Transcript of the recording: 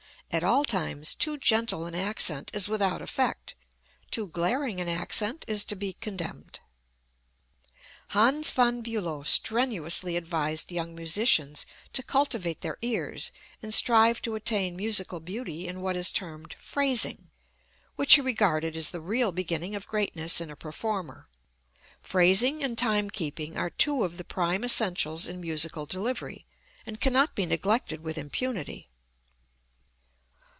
At all times too gentle an accent is without effect, too glaring an accent is to be condemned. Hans von Bülow strenuously advised young musicians to cultivate their ears and strive to attain musical beauty in what is termed phrasing, which he regarded as the real beginning of greatness in a performer. Phrasing and time keeping are two of the prime essentials in musical delivery, and cannot be neglected with impunity.